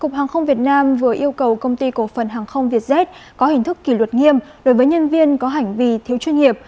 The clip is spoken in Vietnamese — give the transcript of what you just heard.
cục hàng không việt nam vừa yêu cầu công ty cổ phần hàng không vietjet có hình thức kỷ luật nghiêm đối với nhân viên có hành vi thiếu chuyên nghiệp